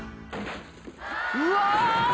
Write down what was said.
「うわ！」